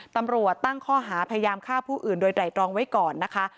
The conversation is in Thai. ตำรวจตั้งข้อหาพยายามฆ่าผู้อื่นโดยไตรตรองไว้ก่อนนะคะ